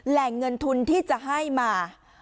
แหล่งเงินทุนที่จะให้มา